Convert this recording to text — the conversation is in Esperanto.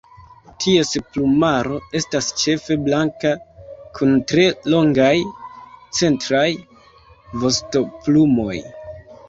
Ties plumaro estas ĉefe blanka, kun tre longaj centraj vostoplumoj.